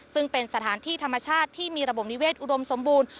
ซึ่งเป็นสถานที่ธรรมชาติที่มีระบบนิเศษอุดมสมบูรณ์